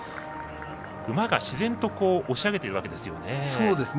馬が自然と押し上げているわけですよね。